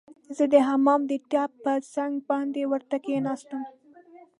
زه د حمام د ټپ پر څنډه باندې ورته کښیناستم.